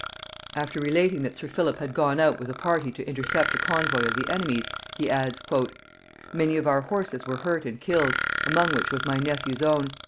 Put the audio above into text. After relating that sir Philip had gone out with a party to intercept a convoy of the enemy's, he adds, "Many of our horses were hurt and killed, among which was my nephew's own.